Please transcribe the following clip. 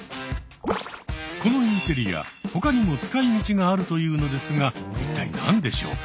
このインテリア他にも使いみちがあるというのですが一体何でしょうか？